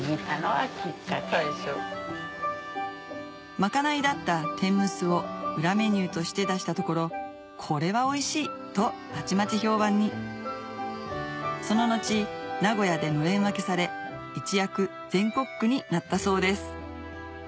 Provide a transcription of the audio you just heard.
まかないだった天むすを裏メニューとして出したところ「これはおいしい」とたちまち評判にその後名古屋でのれん分けされ一躍全国区になったそうです